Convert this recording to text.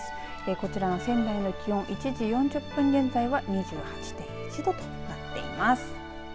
こちらの仙台の気温１時４０分現在は２８．１度となっています。